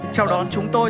chào đón chúng tôi